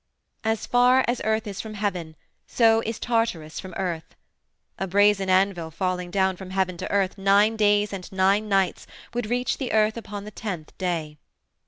As far as Earth is from Heaven so is Tartarus from Earth. A brazen anvil falling down from Heaven to Earth nine days and nine nights would reach the earth upon the tenth day.